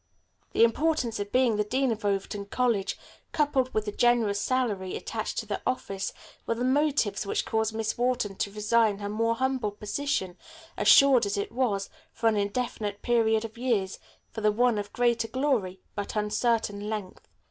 The importance of being the dean of Overton College, coupled with the generous salary attached to the office, were the motives which caused Miss Wharton to resign her more humble position, assured as it was, for an indefinite period of years, for the one of greater glory but uncertain length.